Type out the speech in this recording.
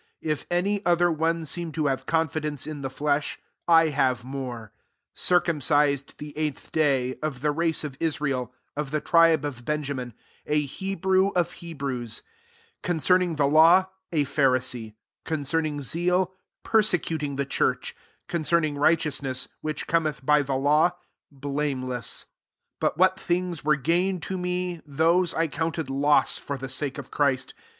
If any other one eem to have confidence in the lesh, I have more : 5 circum Jsed the eighth day, of the •ace of Israel, qf the tribe of Benjamin, a Hebrew of He )rew8; concerning the law, a Pharisee ; 6 concerning zeal, )ersecuting the church ; con cerning righteousness, which jometh, by the law, blameless. 7 But what things were gain o me, those I counted loss for he sake of Christ.